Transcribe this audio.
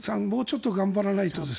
もうちょっと頑張らないと。